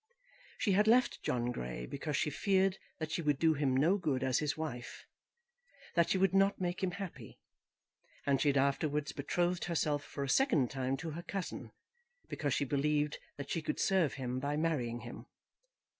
She had left John Grey because she feared that she would do him no good as his wife, that she would not make him happy; and she had afterwards betrothed herself for a second time to her cousin, because she believed that she could serve him by marrying him.